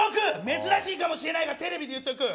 珍しいかもしれないがテレビで言っておく！